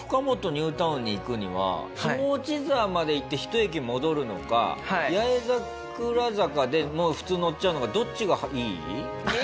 ニュータウンに行くには霜落沢まで行って１駅戻るのか八重桜坂でもう普通乗っちゃうのか。